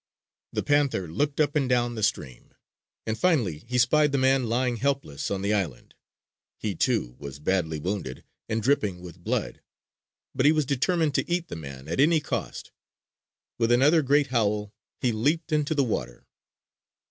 The panther looked up and down the stream, and finally he spied the man lying helpless on the island. He, too, was badly wounded and dripping with blood; but he was determined to eat the man at any cost. With another great howl, he leaped into the water.